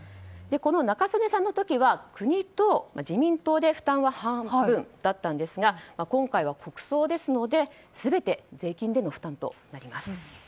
この中曽根さんの時は国と自民党で負担は半分だったんですが今回は、国葬ですので全て税金での負担となります。